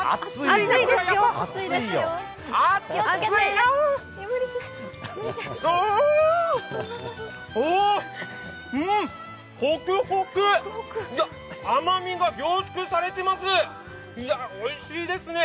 いや、甘みが凝縮されてます、おいしいですね！